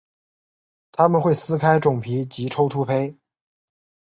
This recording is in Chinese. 它们会撕开种皮及抽出胚。